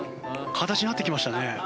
形なってきましたね。